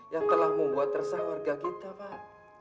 yang telah membuat resah warga kita pak